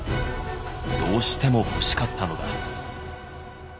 どうしても欲しかったのだ。